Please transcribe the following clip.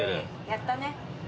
やったね。